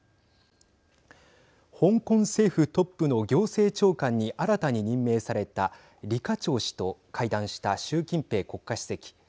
香港政府トップの行政長官に新たに任命された李家超氏と会談した習近平国家主席。